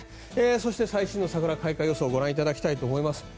そして、最新の桜開花予想をご覧いただきたいと思います。